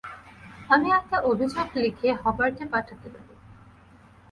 আমি একটা অভিযোগ লিখে হবার্টে পাঠাতে পারি।